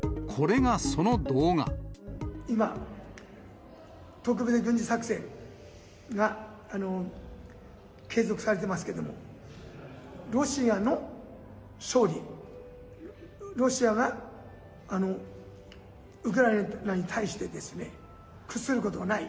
今、特別軍事作戦が継続されてますけれども、ロシアの勝利、ロシアがウクライナに対してですね、屈することがない。